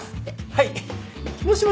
はい。